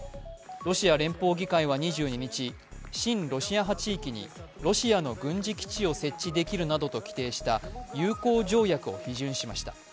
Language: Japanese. ロシア連邦議会は２２日、親ロシア派地域にロシアの軍事基地を設置できるなどと規定した友好条約を批准しました。